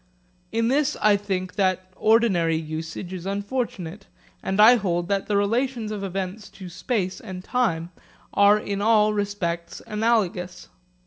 In this I think that ordinary usage is unfortunate, and I hold that the relations of events to space and to time are in all respects analogous.